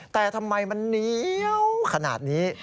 แต่ทำไมมันเหนียวขนาดนี้